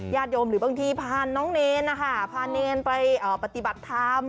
ญาติโยมหรือบางทีพาน้องเนรนะคะพาเนรไปปฏิบัติธรรม